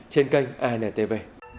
trên kênh antv